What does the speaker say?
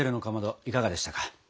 いかがでしたか？